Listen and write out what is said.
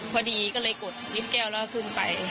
พอดีก็เลยกดลิฟต์แก้วแล้วก็ขึ้นไป